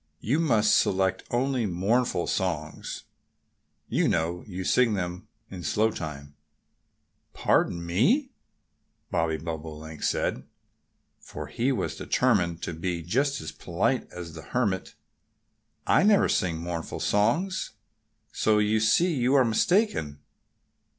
"You must select only mournful songs.... You know you sing them in slow time." "Pardon me!" Bobby Bobolink said, for he was determined to be just as polite as the Hermit. "I never sing mournful songs. So you see you are mistaken."